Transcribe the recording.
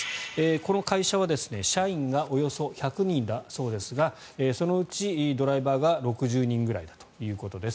この会社は、社員がおよそ１００人だそうですがそのうちドライバーが６０人ぐらいだということです。